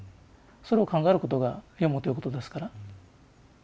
それを考えることが読むということですから。